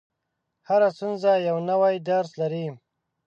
• هره ستونزه یو نوی درس لري.